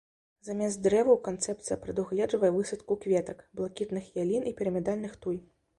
Замест дрэваў канцэпцыя прадугледжвае высадку кветак, блакітных ялін і пірамідальных туй.